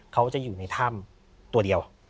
เขาจะอยู่ในถ้ำตัวเดียว